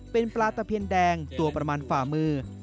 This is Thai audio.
เป็นปลาตะเพียนแดงตัวประมาณฝ่ามือ